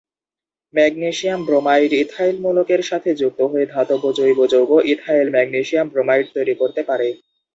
Magnesium bromide ethyl মূলকের সাথে যুক্ত হয়ে ধাতব জৈব যৌগ ইথাইল ম্যাগনেসিয়াম ব্রোমাইড তৈরি করতে পারে।